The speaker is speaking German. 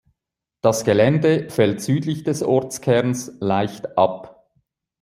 Das Gelände fällt südlich des Ortskerns leicht ab.